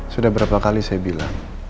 sudah berapa kali saya bilang